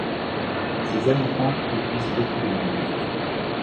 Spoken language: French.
Ses habitants produisent beaucoup de manioc̣̣̣̣̣.